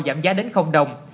giảm giá đến đồng